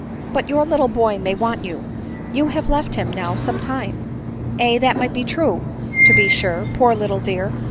" But your little boy may want you; you have left him now some time." " Aye, that may be true, to be sure, poor little dear